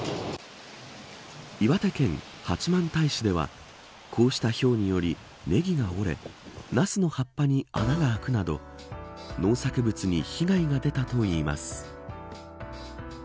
岩手県八幡平市ではこうしたひょうによりネギが折れナスの葉っぱに穴が開くなど農作物に被害が出たといいます。